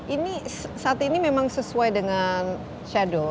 ini saat ini memang sesuai dengan shadow